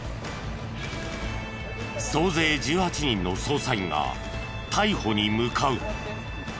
総勢１８人の捜査員が逮捕に向かう。